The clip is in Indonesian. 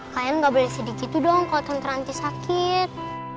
kalian gak boleh sedikitu dong kalau tante ranti sakit